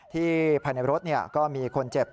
ภายในรถก็มีคนเจ็บ